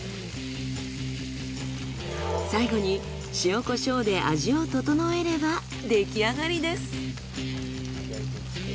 最後に塩コショウで味を調えれば出来上がりです。